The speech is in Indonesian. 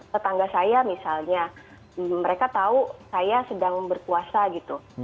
tetangga saya misalnya mereka tahu saya sedang berpuasa gitu